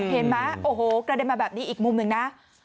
เห็นไหมโอ้โหกระเด็นมาแบบนี้อีกมุมหนึ่งนะ